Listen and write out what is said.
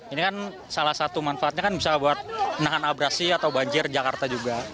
ini kan salah satu manfaatnya kan bisa buat menahan abrasi atau banjir jakarta juga